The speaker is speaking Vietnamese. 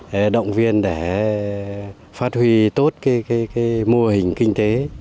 để động viên để phát huy tốt mô hình kinh tế